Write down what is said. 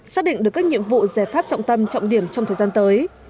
xác định được các nhiệm vụ giải pháp trọng tâm trọng điểm trong thời gian tới